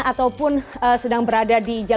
ataupun sedang berada di jalan